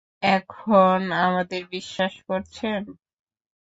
এখন আমাদের বিশ্বাস করছেন?